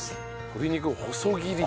鶏肉を細切り。